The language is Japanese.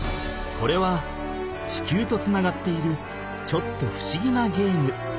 これは地球とつながっているちょっとふしぎなゲーム。